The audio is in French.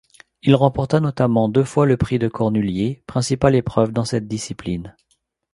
Il remporta notamment deux fois le Prix de Cornulier, principale épreuve dans cette discipline.